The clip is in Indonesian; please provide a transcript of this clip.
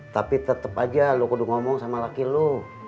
tapi tetep aja lu kudu ngomong sama laki lu